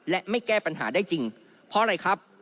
และไม่แก้ปัญหาได้จริงเพราะอะไรครับ